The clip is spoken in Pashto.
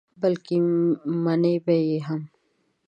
بلکې منې به یې هم.